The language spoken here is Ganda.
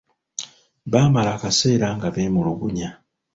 Baamala akaseera nga beemulugunya.